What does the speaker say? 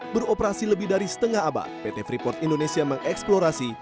beroperasi lebih dari setengah abad pt freeport indonesia mengeksplorasi